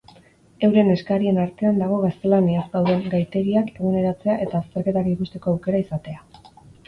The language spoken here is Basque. Euren eskarien artean dago gaztelaniaz dauden gaitegiak eguneratzea eta azterketak ikusteko aukera izatea.